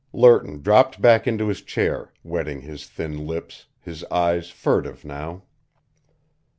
Lerton dropped back into his chair, wetting his thin lips, his eyes furtive now.